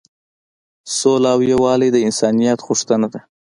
سوله او یووالی د انسانیت غوښتنه ده.